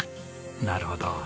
なるほど。